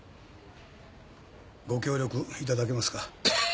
ご協力いただけますか？